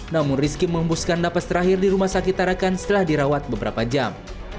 namun rizky mengembuskan napas terakhir di rumah sakit tarakan setelah dirawat beberapa jam